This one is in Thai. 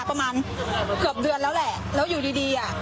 ประมาณเกือบเดือนแล้วแหละแล้วอยู่ดีดีอ่ะ